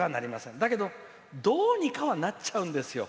だけど、どうにかはなっちゃうんですよ。